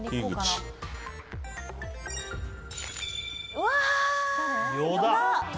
うわ！